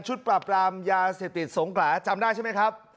ปราบรามยาเสพติดสงขลาจำได้ใช่ไหมครับ